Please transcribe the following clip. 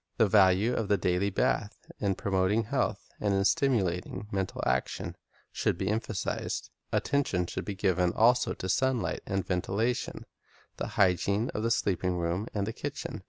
The value of the daily bath in promoting health and in stimulating mental action, should be emphasized. Attention should be given also to sunlight and ventilation, the hygiene of the cleanliness, sleeping room and the kitchen.